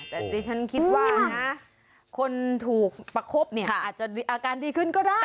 แต่ตอนนี้ฉันคิดว่าคนถูกประคบอาจจะอาการดีขึ้นก็ได้